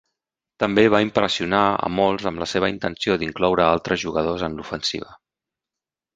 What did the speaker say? També va impressionar a molts amb la seva intenció d'incloure a altres jugadors en l'ofensiva.